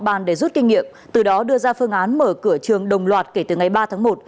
bộ y tế đã đưa ra phương án mở cửa trường đồng loạt kể từ ngày ba tháng một